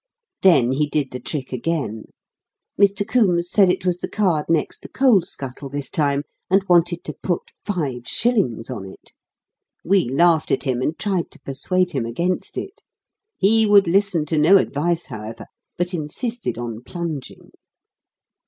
Then he did the trick again. Mr. Coombes said it was the card next the coal scuttle this time, and wanted to put five shillings on it. We laughed at him, and tried to persuade him against it. He would listen to no advice, however, but insisted on plunging.